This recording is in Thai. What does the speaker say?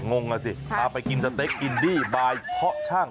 งงอ่ะสิพาไปกินสเต็กอินดี้บายเพาะช่าง